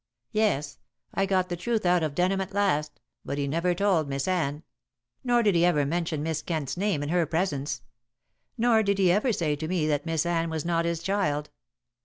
"Yes. I got the truth out of Denham at last, but he never told Miss Anne; nor did he ever mention Miss Kent's name in her presence; nor did he ever say to me that Miss Anne was not his child.